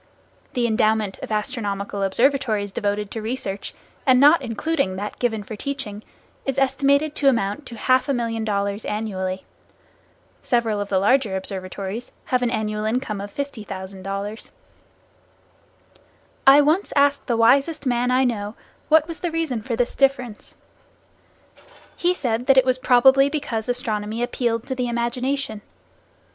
The endowment of astronomical observatories devoted to research, and not including that given for teaching, is estimated to amount to half a million dollars annually. Several of the larger observatories have an annual income of fifty thousand dollars. Commencement address at Case School of Applied Science, Cleveland, May 27, 1909. I once asked the wisest man I know, what was the reason for this difference. He said that it was probably because astronomy appealed to the imagination.